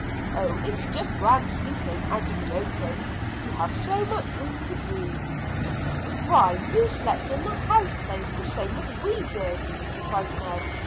Oh, it's just grand sleeping out in the open. You have so much room to breathe." "Why, you slept in the house place the same as we did," cried Ned.